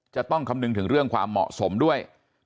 จะต้องคำนึงถึงเรื่องความเหมาะสมด้วย